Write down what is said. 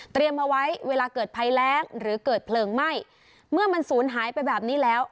เอาไว้เวลาเกิดภัยแรงหรือเกิดเพลิงไหม้เมื่อมันศูนย์หายไปแบบนี้แล้ว